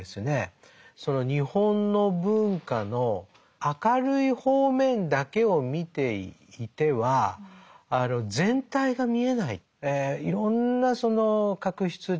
日本の文化の明るい方面だけを見ていては全体が見えない。